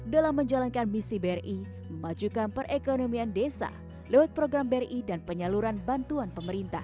dalam menjalankan misi bri memajukan perekonomian desa lewat program bri dan penyaluran bantuan pemerintah